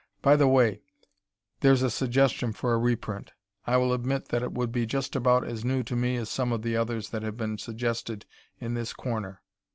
By the way, there's a suggestion for a reprint. I will admit that it would be just about as new to me as some of the others that have been suggested in this "Corner."